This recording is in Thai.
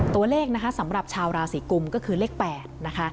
ตัวเลขสำหรับชาวราศีกุมก็คือเลข๘